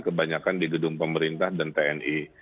kebanyakan di gedung pemerintah dan tni